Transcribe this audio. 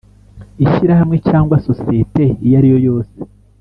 Ishyirahamwe cyangwa sosiyete iyo ariyo yose